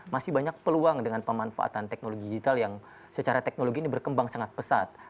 masih banyak peluang dengan pemanfaatan teknologi digital yang secara teknologi ini berkembang sangat pesat